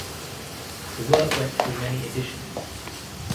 The work went through many editions.